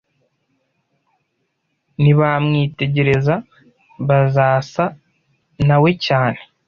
Nibamwitegereza bazasa na We cyane